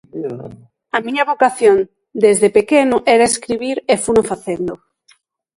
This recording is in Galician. A miña vocación desde pequeno era escribir e funo facendo.